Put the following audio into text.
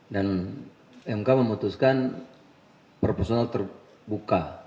dan mk memutuskan personal terbuka